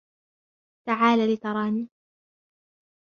تعال لتراني.